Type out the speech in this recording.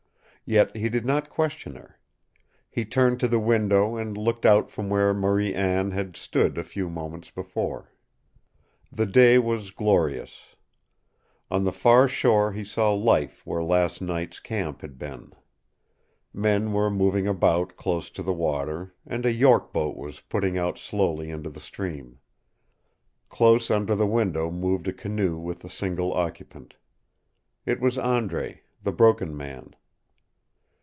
Yet he did not question her. He turned to the window and looked out from where Marie Anne had stood a few moments before. The day was glorious. On the far shore he saw life where last night's camp had been. Men were moving about close to the water, and a York boat was putting out slowly into the stream. Close under the window moved a canoe with a single occupant. It was Andre, the Broken Man.